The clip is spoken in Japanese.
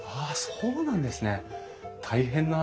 そうなんですよね